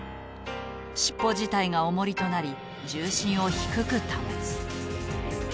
尻尾自体がおもりとなり重心を低く保つ。